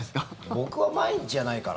僕は毎日じゃないから。